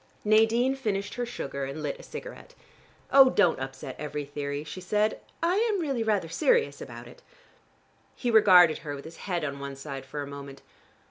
Nadine finished her sugar and lit a cigarette. "Oh, don't upset every theory," she said. "I am really rather serious about it." He regarded her with his head on one side for a moment.